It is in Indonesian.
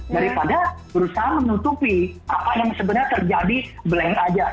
daripada berusaha menutupi apa yang sebenarnya terjadi blank aja